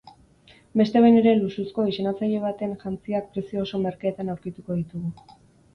Beste behin ere luxuzko diseinatzaile baten jantziak prezio oso merkeetan aurkituko ditugu.